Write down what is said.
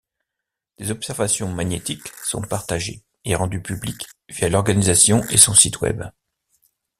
Des observations magnétiques sont partagées et rendues publiques via l'organisation et son site web.